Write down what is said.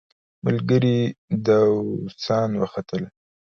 ملګري داووسان وختل.